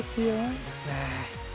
いいですね。